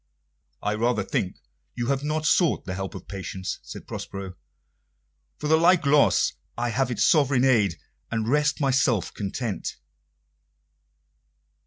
"I rather think you have not sought the help of patience," said Prospero. "For the like loss I have its sovereign aid, and rest myself content."